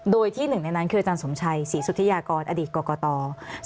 โดยที่หนึ่งในนั้นคืออาจารย์สมชัยศรีสุธิยากรอดีตกรกต